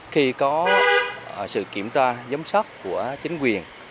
khi có sự kiểm tra giám sát của chính quyền